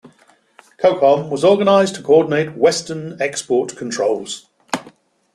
CoCom was organized to coordinate Western export controls.